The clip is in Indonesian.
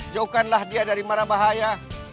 jauhkanlah dia dari marah bahaya